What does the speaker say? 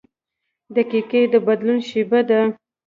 • دقیقه د بدلون شیبه ده.